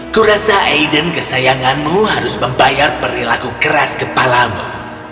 aku rasa aiden kesayanganmu harus membayar perilaku keras kepalamu